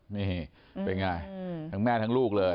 นี่เป็นไงทั้งแม่ทั้งลูกเลย